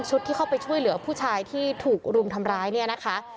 ที่เข้าไปช่วยเหลือผู้ชายที่ถูกรุมทำร้ายเนี่ยนะคะ